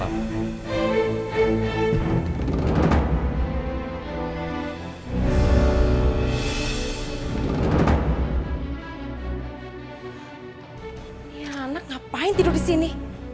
iya anak ngapain tidur disini